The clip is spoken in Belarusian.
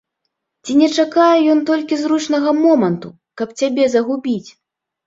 Ці не чакае ён толькі зручнага моманту, каб цябе загубіць?